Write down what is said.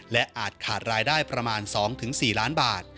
และอาจขาดรายได้ประมาณ๒๔ล้านบาท